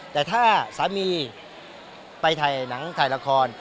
แต่ถ้าสามีไปถ่ายหนังถ่ายละคร